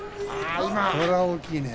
これは大きいね。